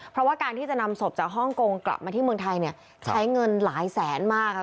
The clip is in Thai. เพราะว่าการที่จะนำศพจากฮ่องกงกลับมาที่เมืองไทยเนี่ยใช้เงินหลายแสนมากค่ะ